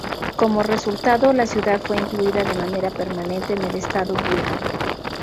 Como resultado, la ciudad fue incluida de manera permanente en el Estado búlgaro.